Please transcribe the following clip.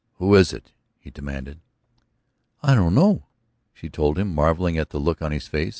"Who is it?" he demanded. "I don't know," she told him, marvelling at the look on his face.